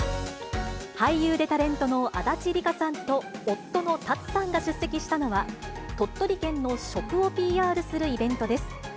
俳優でタレントの足立梨花さんと夫のタツさんが出席したのは、鳥取県の食をＰＲするイベントです。